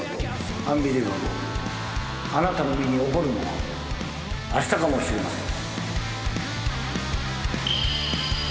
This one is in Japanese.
あなたの身に起こるのはあしたかもしれません。